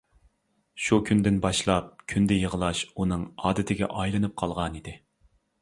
شۇ كۈندىن باشلاپ كۈندە يىغلاش ئۇنىڭ ئادىتىگە ئايلىنىپ قالغانىدى.